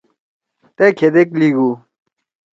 تأ کھیدیک لیگو ۔